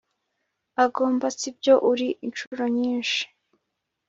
Agomba si byo uri inshuro nyinshi